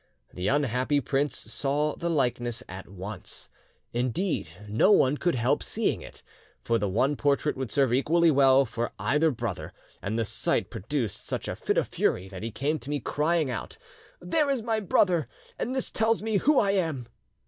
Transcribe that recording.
The unhappy prince saw the likeness at once, indeed no one could help seeing it, for the one portrait would serve equally well for either brother, and the sight produced such a fit of fury that he came to me crying out, "There is my brother, and this tells me who I am!"